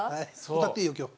歌っていいよ今日。